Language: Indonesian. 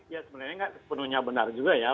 ya sebenarnya nggak sepenuhnya benar juga ya